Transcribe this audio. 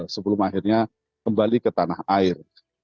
sebelum akhirnya kembali ke tanah air